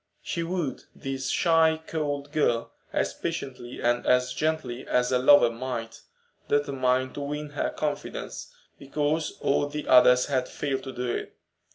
She wooed this shy, cold girl as patiently and as gently as a lover might, determined to win her confidence, because all the others had failed to do it.